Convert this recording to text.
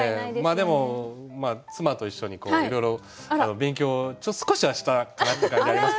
でも妻と一緒にいろいろ勉強少しはしたかなって感じありますけどもね。